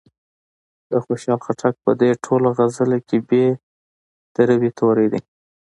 د خوشال خټک په دې ټوله غزل کې ب د روي توری دی.